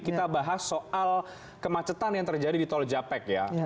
kita bahas soal kemacetan yang terjadi di tol japek ya